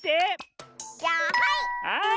じゃあはい！